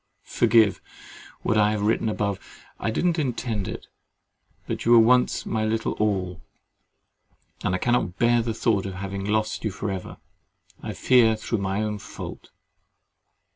—Forgive what I have written above; I did not intend it: but you were once my little all, and I cannot bear the thought of having lost you for ever, I fear through my own fault.